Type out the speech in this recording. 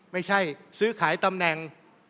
ไม่ใช่ซื้อขายตำแหน่ง